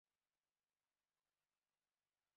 Hy moat der om kertier foar seizen ôf.